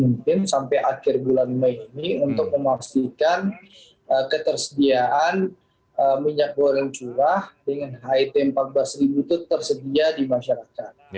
mungkin sampai akhir bulan mei ini untuk memastikan ketersediaan minyak goreng curah dengan hit empat belas itu tersedia di masyarakat